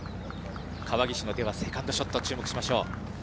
川岸のセカンドショット注目しましょう。